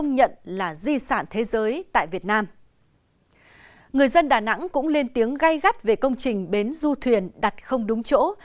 người dân đà nẵng cũng lên tiếng gai gắt về công trình bến du thuyền đặt không đúng chỗ